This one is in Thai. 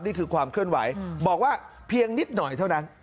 นี่คือความเคลื่อนไหวบอกว่าเพียงนิดหน่อยเท่านั้น